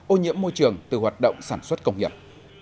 ô nhiễm môi trường từ hoạt động sản xuất công nghiệp